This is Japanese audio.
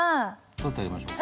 取ってあげましょうか？